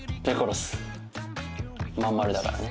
まん丸だからね。